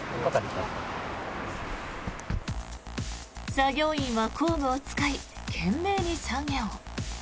作業員は工具を使い懸命に作業。